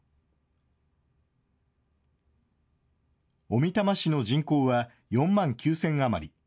小美玉市の人口は４万９０００余り。